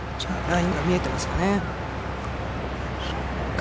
ラインが見えてますかね。